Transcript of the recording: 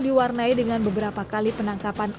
diwarnai dengan beberapa kali penangkapan